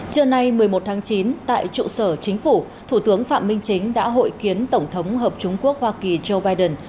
trưa nay một mươi một tháng chín tại trụ sở chính phủ thủ tướng phạm minh chính đã hội kiến tổng thống hợp chúng quốc hoa kỳ joe biden